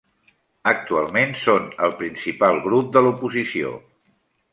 Actualment són el principal grup de l'oposició.